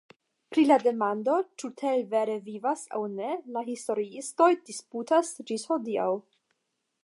Pri la demando, ĉu Tell vere vivas aŭ ne, la historiistoj disputas ĝis hodiaŭ.